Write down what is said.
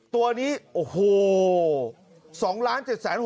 ตัวนี้โอ้โห